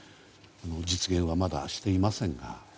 実現は、まだしていませんが。